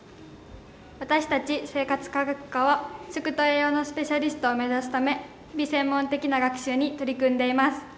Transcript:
私たち生活科学科は食と栄養のスペシャリストを目指すため日々、専門的な学習に取り組んでいます。